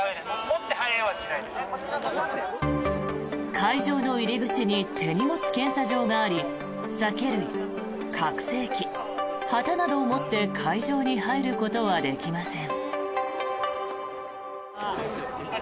会場の入り口に手荷物検査場があり酒類、拡声器、旗などを持って会場に入ることはできません。